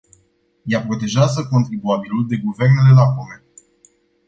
Ea protejează contribuabilul de guvernele lacome.